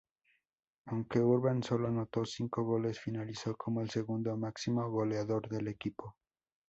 Aunque Urban sólo anotó cinco goles, finalizó como el segundo máximo goleador del equipo.